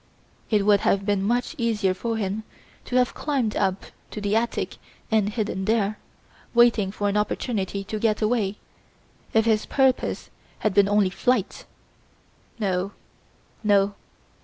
It would have been much easier for him to have climbed up to the attic and hidden there, waiting for an opportunity to get away, if his purpose had been only flight. No! No!